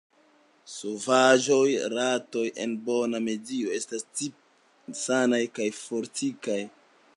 Sovaĝaj ratoj en bona medio estas tipe sanaj kaj fortikaj.